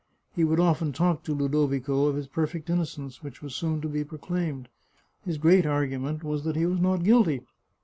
He would often talk to Ludovico of his perfect innocence, which was soon to be proclaimed. His great argument was that he was not guilty.